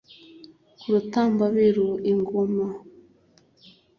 ku rutambabiru: i ngoma